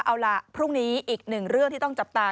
เอาล่ะพรุ่งนี้อีกหนึ่งเรื่องที่ต้องจับตา